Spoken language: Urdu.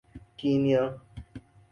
کینیا